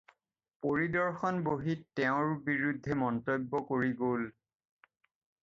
পৰিদৰ্শন বহীত তেওঁৰ বিৰুদ্ধে মন্তব্য কৰি গ'ল।